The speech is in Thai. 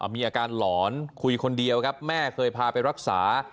มีอาการหลอนคุยคนเดียวครับแม่เคยพาไปรักษา